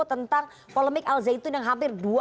tentang polemik al zaitun yang hampir